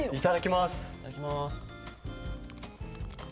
いただきます。